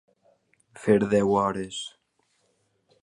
Fer deu hores.